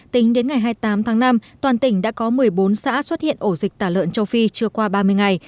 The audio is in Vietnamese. tính đến ngày hai mươi tám tháng năm toàn tỉnh đã có một mươi bốn xã xuất hiện ổ dịch tả lợn châu phi chưa qua ba mươi ngày